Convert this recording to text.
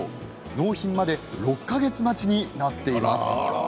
納品まで６か月待ちになっています。